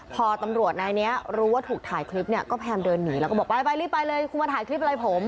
พอตำรวจนายนี้รู้ว่าถูกถ่ายคลิปเนี่ยก็พยายามเดินหนีแล้วก็บอกไปรีบไปเลยคุณมาถ่ายคลิปอะไรผม